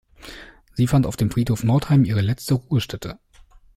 Sie fand auf dem Friedhof Nordheim ihre letzte Ruhestätte.